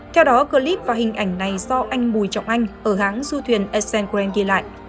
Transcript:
theo đó clip và hình ảnh này do anh mùi trọng anh ở hãng du thuyền s c ghi lại